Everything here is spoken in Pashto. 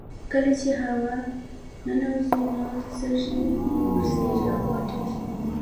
کله چې هوا ننوځي نو سږي پړسیږي او غټیږي